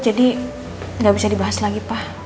jadi gak bisa dibahas lagi pak